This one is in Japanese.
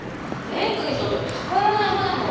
蓮くんにとっては宝の山だもん。